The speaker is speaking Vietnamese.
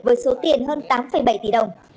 với số tiền hơn tám bảy tỷ đồng